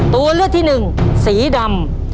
ตัวเลือกที่หนึ่งสีดำ